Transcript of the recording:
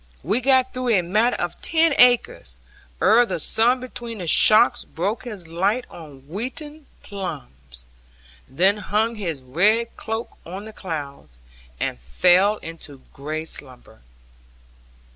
We got through a matter of ten acres, ere the sun between the shocks broke his light on wheaten plumes, then hung his red cloak on the clouds, and fell into grey slumber.